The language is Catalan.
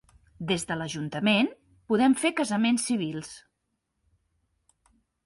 Des de l'ajuntament podem fer casaments civils.